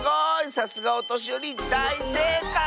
さすがおとしよりだいせいかい！